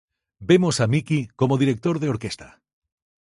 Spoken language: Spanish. Vemos a Mickey como director de orquesta.